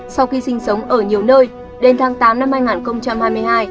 sau khi sinh sống ở nhiều nơi đến tháng tám năm hai nghìn hai mươi hai